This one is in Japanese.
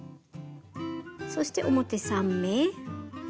そして表３目。